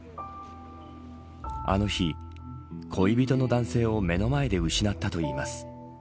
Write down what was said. あの日、恋人の男性を目の前で失ったといいます。